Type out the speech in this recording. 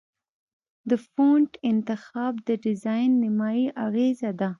د فونټ انتخاب د ډیزاین نیمایي اغېزه ده.